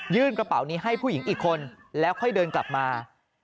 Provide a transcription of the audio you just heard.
กระเป๋านี้ให้ผู้หญิงอีกคนแล้วค่อยเดินกลับมา